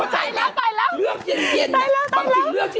เขาใจไง